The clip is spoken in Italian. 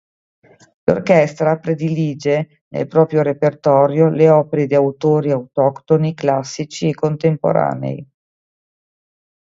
L'orchestra predilige nel proprio repertorio le opere di autori autoctoni classici e contemporanei.